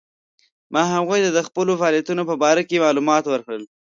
ما هغوی ته د خپلو فعالیتونو په باره کې معلومات ورکړل.